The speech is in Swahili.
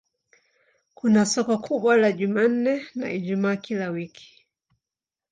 Kuna soko kubwa la Jumanne na Ijumaa kila wiki.